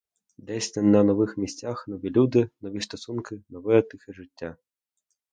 Десь на нових місцях нові люди, нові стосунки, нове тихе життя.